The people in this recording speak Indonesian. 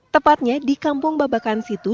tepatnya di kampung babakan situ